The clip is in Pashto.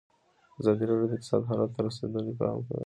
ازادي راډیو د اقتصاد حالت ته رسېدلي پام کړی.